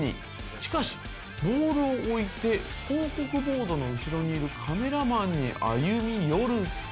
しかし、ボールを置いて広告ボードの後ろにいるカメラマンに歩み寄ると。